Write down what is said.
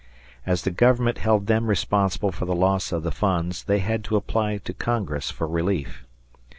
As the Government held them responsible for the lossof the funds, they had to apply to Congress for relief.